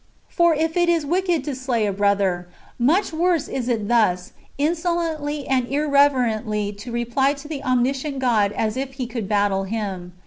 For if it is wicked to slay a brother, much worse is it thus insolently and irreverently to reply to the omniscient God as if he could bafile Him.